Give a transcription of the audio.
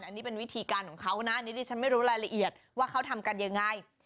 อันนี้เป็นวิธีการของเขานะอันนี้ดิฉันไม่รู้รายละเอียดว่าเขาทำกันยังไง